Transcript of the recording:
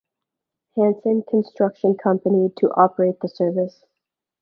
Hanson Construction company to operate the service.